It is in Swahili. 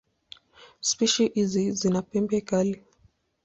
Spishi hizi zina pembe kali.